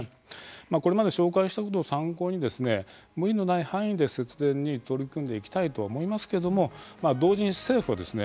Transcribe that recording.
これまで紹介したことを参考にですね無理のない範囲で節電に取り組んでいきたいと思いますけどもまあ同時に政府はですね